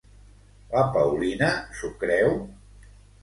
La Paulina s'ho creu?